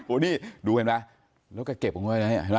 โอ้ดูเห็นมั้ยแล้วก็เก็บลงไปนะอ่าเห็นมั้ย